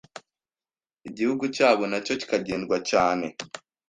igihugu cyabo nacyo kikagendwa cyane,